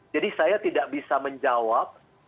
jadi saya tidak bisa menjawab